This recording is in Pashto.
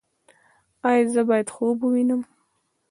ایا زه باید خوب ووینم؟